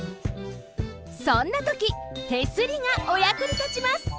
そんなとき手すりがおやくにたちます！